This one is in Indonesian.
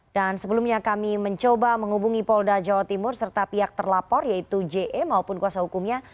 dan sebelumnya kami mencoba menghubungi polda jawa timur serta pihak terlapor yaitu je maupun kuasa hukumnya